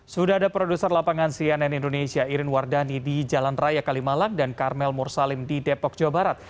sudah ada produser lapangan cnn indonesia irin wardani di jalan raya kalimalang dan karmel mursalim di depok jawa barat